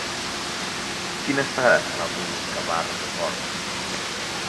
Quines parades fa l'autobús que va a Rocafort?